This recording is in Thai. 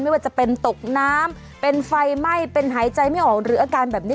ไม่ว่าจะเป็นตกน้ำเป็นไฟไหม้เป็นหายใจไม่ออกหรืออาการแบบนี้